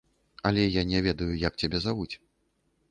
Але я не ведаю, як цябе завуць.